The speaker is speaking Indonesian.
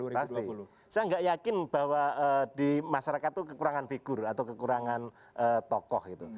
pasti saya nggak yakin bahwa di masyarakat itu kekurangan figur atau kekurangan tokoh gitu